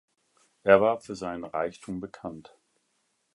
Er war für seinen Reichtum bekannt.